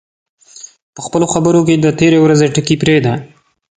په خپلو خبرو کې د تېرې ورځې ټکي پرېږده